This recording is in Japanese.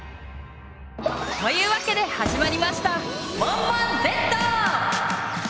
というわけで始まりました「モンモンＺ」！